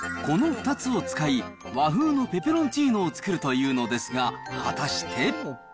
この２つを使い、和風のペペロンチーノを作るというのですが、果たして？